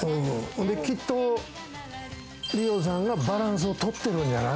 きっと梨緒さんがバランスを取ってるんじゃない？